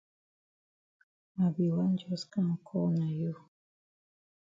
I be wan jus kam call na you.